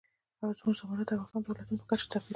زمرد د افغانستان د ولایاتو په کچه توپیر لري.